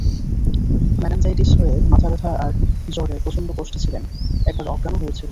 Meningitis হয়ে মাথাব্যথা আর জ্বরে প্রচন্ড কষ্টে ছিলেন, একবার অজ্ঞানও হয়েছিলেন।